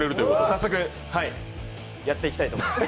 早速やっていきたいと思います。